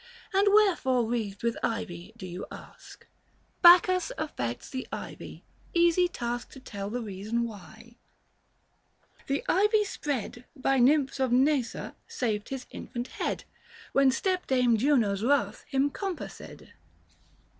And wherefore wreathed with ivy do you ask ? 820 Bacchus affects the ivy ; easy task To tell the reason why : the ivy spread By Nymphs of Nysa saved his infant head, When stepdame Juno's wrath him compassed.